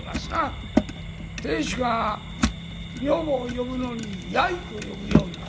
亭主が女房を呼ぶのに「やい」と呼ぶようになる。